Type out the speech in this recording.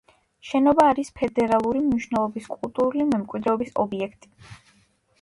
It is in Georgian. შენობა არის ფედერალური მნიშვნელობის კულტურული მემკვიდრეობის ობიექტი.